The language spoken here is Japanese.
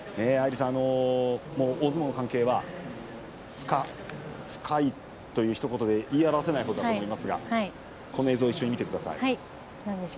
大相撲の関係は深いというひと言では言い表せないと思いますがこの映像をご覧ください。